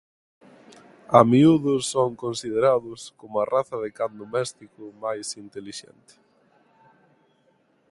A miúdo son considerados como a raza de can doméstico máis intelixente.